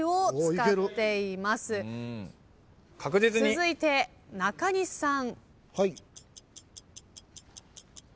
続いて中西さん。